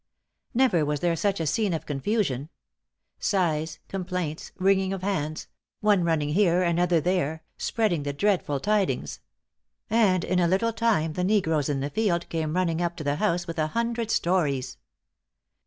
"Never was there such a scene of confusion. Sighs, complaints, wringing of hands one running here, another there, spreading the dreadful tidings; and in a little time the negroes in the field came running up to the house with a hundred stories.